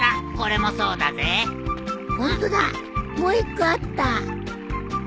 もう１個あった。